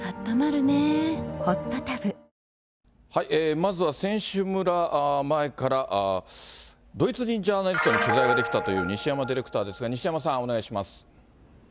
まずは選手村前から、ドイツ人ジャーナリストに取材ができたという西山ディレクターですが、西山さん、お願いします。